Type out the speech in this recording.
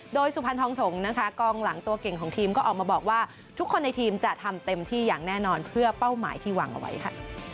โดยสุพรรณทองสงฆ์นะคะกองหลังตัวเก่งของทีมก็ออกมาบอกว่าทุกคนในทีมจะทำเต็มที่อย่างแน่นอนเพื่อเป้าหมายที่วางเอาไว้ค่ะ